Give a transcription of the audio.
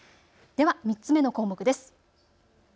では３つ目の項目です。